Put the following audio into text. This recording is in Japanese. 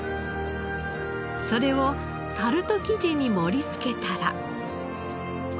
それをタルト生地に盛りつけたら。